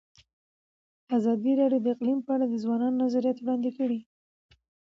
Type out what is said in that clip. ازادي راډیو د اقلیم په اړه د ځوانانو نظریات وړاندې کړي.